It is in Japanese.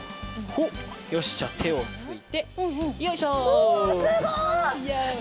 おすごい！